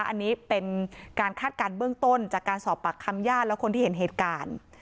อันนี้เป็นการคาดการณ์เบื้องต้นจากการสอบปากคำญาติและคนที่เห็นเหตุการณ์